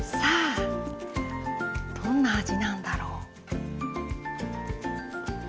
どんな味なんだろう？